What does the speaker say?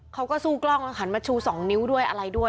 เขาก็สู้กล้องแล้วหันมาชู๒นิ้วด้วยอะไรด้วย